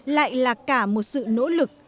lại là cả một sự nỗ lực